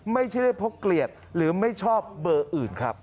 ไม่ใช่ได้เพราะเกลียดหรือไม่ชอบเบอร์อื่นครับ